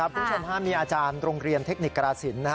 พรุ่งชน๕มีอาจารย์โรงเรียนเทคนิคกราศิลป์